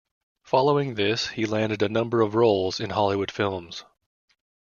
Following this, he landed a number of roles in Hollywood films.